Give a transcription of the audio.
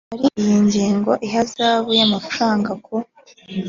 muri iyi ngingo ihazabu y amafaranga ku